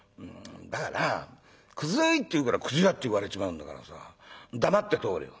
「だから『くずい』って言うから『くず屋』って言われちまうんだからさ黙って通れよ」。